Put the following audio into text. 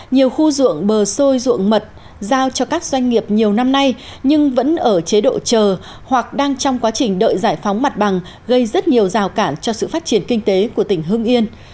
nhiều khu ruộng bờ sôi ruộng mật giao cho các doanh nghiệp nhiều năm nay nhưng vẫn ở chế độ chờ hoặc đang trong quá trình đợi giải phóng mặt bằng gây rất nhiều rào cản cho sự phát triển kinh tế của tỉnh hưng yên